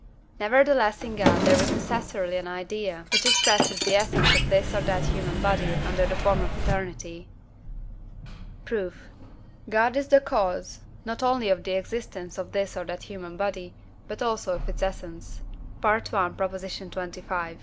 Nevertheless in God there is necessarily an idea, which expresses the essence of this or that human body under the form of eternity. Proof. God is the cause, not only of the existence of this or that human body, but also of its essence (I. xxv.).